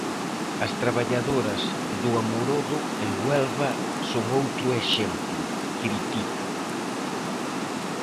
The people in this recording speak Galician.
"As traballadoras do amorodo en Huelva son outro exemplo", critica.